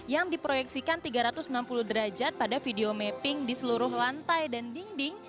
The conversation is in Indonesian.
yang diproyeksikan tiga ratus enam puluh derajat pada video mapping di seluruh lantai dan dinding